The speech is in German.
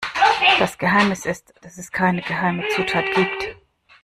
Das Geheimnis ist, dass es keine geheime Zutat gibt.